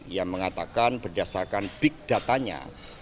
ia mengatakan berdasarkan big datanya